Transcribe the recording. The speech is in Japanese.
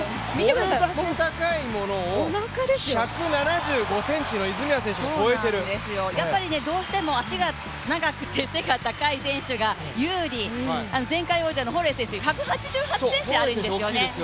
これだけ高いものを、１７５ｃｍの泉谷選手がどうしても足が長くて背が高い選手が有利、前回大会のホロウェイ選手は１８８ｃｍあるんですよね。